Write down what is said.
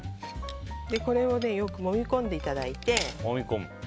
これをよくもみ込んでいただいて。